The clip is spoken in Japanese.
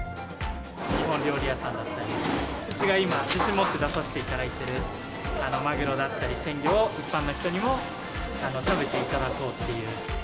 日本料理屋さんだったり、うちが今、自信持って出させていただいてるマグロだったり、鮮魚を一般の人にも食べていただこうという。